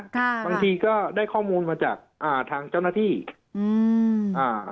ค่ะบางทีก็ได้ข้อมูลมาจากอ่าทางเจ้าหน้าที่อืมอ่า